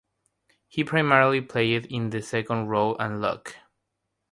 He primarily played in the second-row and lock.